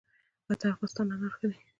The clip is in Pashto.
د ارغستان انار ښه دي